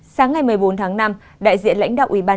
sáng ngày một mươi bốn tháng năm đại diện lãnh đạo ubnd